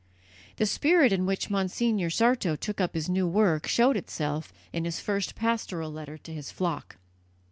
The spirit in which Monsignor Sarto took up his new work showed itself in his first pastoral letter to his flock.